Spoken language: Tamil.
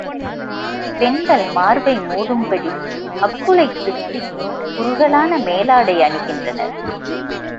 பெண்கள் மார்பை மூடும்படி அக்குளைச் சுற்றிக் குறுகலான மேலாடை யணிகின்றனர்.